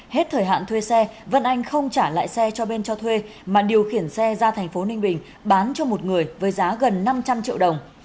hết thời hạn thuê xe vân anh không trả lại xe cho bên cho thuê mà điều khiển xe ra thành phố ninh bình bán cho một người với giá gần năm trăm linh triệu đồng